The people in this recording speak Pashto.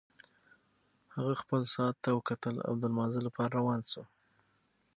هغه خپل ساعت ته وکتل او د لمانځه لپاره روان شو.